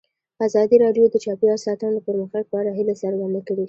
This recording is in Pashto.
ازادي راډیو د چاپیریال ساتنه د پرمختګ په اړه هیله څرګنده کړې.